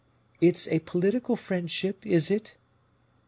it's a political friendship, is it?"